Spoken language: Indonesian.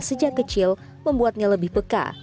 sejak kecil membuatnya lebih peka